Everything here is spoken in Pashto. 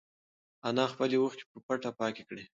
انا خپلې اوښکې په پټه پاکې کړې.